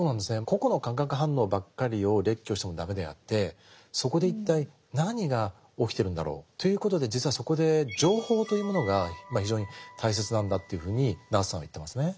個々の化学反応ばっかりを列挙しても駄目であってそこで一体何が起きてるんだろうということで実はそこで情報というものが非常に大切なんだというふうにナースさんは言ってますね。